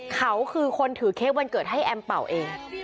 เขาคือคนถือเค้กวันเกิดให้แอมเป่าเอง